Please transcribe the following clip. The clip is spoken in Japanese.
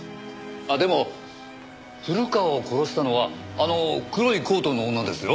あっでも古川を殺したのはあの黒いコートの女ですよ。